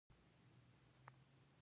ایا ستاسو ضمانت به معتبر نه وي؟